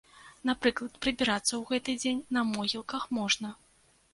Напрыклад, прыбірацца ў гэты дзень на могілках можна.